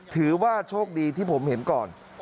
ถือว่าโชคดีที่ผมเห็นก่อน